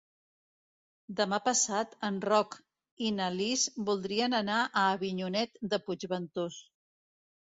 Demà passat en Roc i na Lis voldrien anar a Avinyonet de Puigventós.